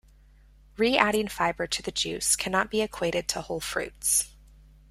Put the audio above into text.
Re-adding fiber to the juice cannot be equated to whole fruits.